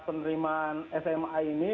penerimaan sma ini